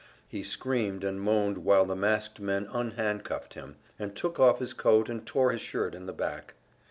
He screamed and moaned while the masked men un handcuffed him, and took off his coat and tore his shirt in the back.